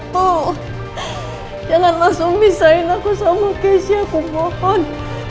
tuh jangan langsung bisain aku sama keisha aku bohon